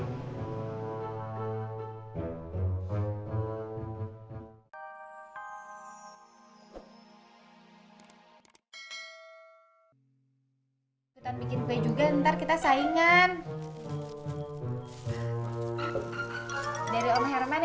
kita bikin play juga ntar kita saingan